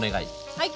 はい。